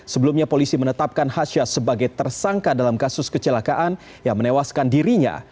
sebelumnya polisi menetapkan hasyah sebagai tersangka dalam kasus kecelakaan yang menewaskan dirinya